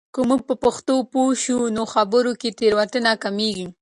که موږ په پښتو پوه شو، نو خبرو کې تېروتنې کمېږي.